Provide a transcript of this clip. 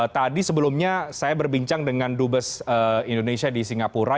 tadi sebelumnya saya berbincang dengan dubes indonesia di singapura